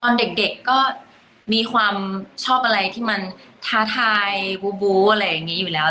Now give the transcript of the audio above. ตอนเด็กก็มีความชอบอะไรที่มันท้าทายบูบูอะไรอย่างนี้อยู่แล้ว